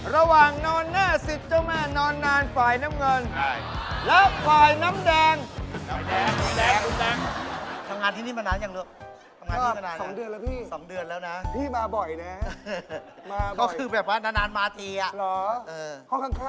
ระหว่างนอนหน้าสิทธิ์เจ้าแม่นอนนานฝ่ายน้ำเงิน